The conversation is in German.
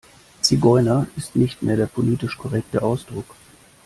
Zigeuner ist nicht mehr der politische korrekte Ausdruck.